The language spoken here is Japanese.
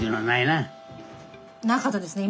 なかったですね。